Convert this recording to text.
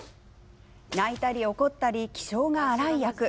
泣いたり怒ったり、気性が荒い役。